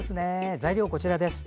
材料は、こちらです。